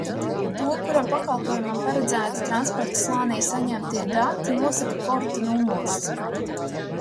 To, kuram pakalpojumam paredzēti transporta slānī saņemtie dati, nosaka porta numurs.